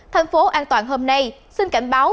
thành phố an toàn hôm nay xin cảnh báo